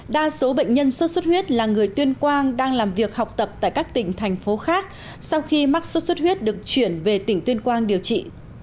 đa số bệnh nhân sốt xuất huyết là người tuyên quang đang làm việc học tập tại các tỉnh thành phố khác sau khi mắc sốt xuất huyết được chuyển về tỉnh tuyên quang điều trị